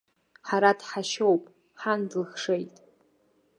Ҳара дҳашьоуп, ҳан длыхшеит.